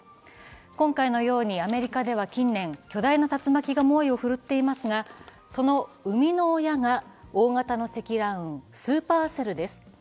今回のようにアメリカでは近年、巨大な竜巻が猛威を振るっていますがその生みの親が大型の積乱雲、スーパーセルです。